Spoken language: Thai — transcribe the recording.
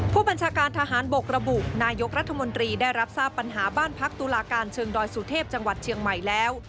ผู้บัญชาการทหารบกระบุนายกรัฐมนตรีได้รับทราบปัญหาบ้านพักตุลาการเชิงดอยสุเทพจังหวัดเชียงใหม่แล้ว